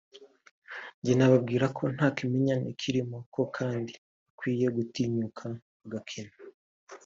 njye nababwira ko nta kimenyane kirimo ko kandi bakwiye gutinyuka bagakina